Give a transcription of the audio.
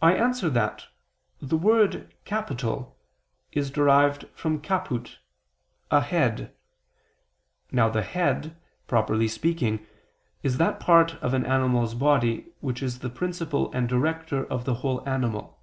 I answer that, The word capital is derived from caput (a head). Now the head, properly speaking, is that part of an animal's body, which is the principle and director of the whole animal.